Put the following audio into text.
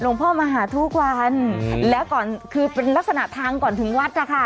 พ่อมาหาทุกวันแล้วก่อนคือเป็นลักษณะทางก่อนถึงวัดนะคะ